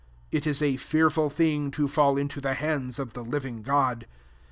31 If U a fearful thing to fell into the hands of the liv* ing God.